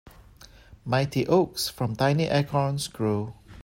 Mighty oaks from tiny acorns grow.